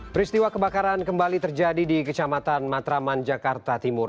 peristiwa kebakaran kembali terjadi di kecamatan matraman jakarta timur